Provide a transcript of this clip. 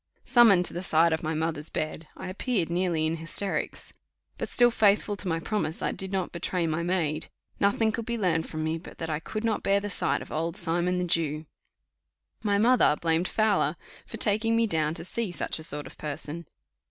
Summoned to the side of my mother's bed, I appeared nearly in hysterics but still faithful to my promise, I did not betray my maid; nothing could be learned from me but that I could not bear the sight of Old Simon the Jew. My mother blamed Fowler for taking me down to see such a sort of a person.